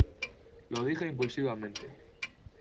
lo dije impulsivamente